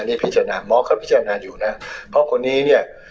นี่พิจารณาหมอก็พิจารณาอยู่นะเพราะคนนี้เนี่ย